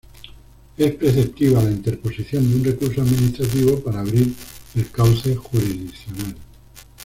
Es preceptiva la interposición de un recurso administrativo para abrir el cauce jurisdiccional.